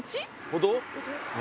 歩道？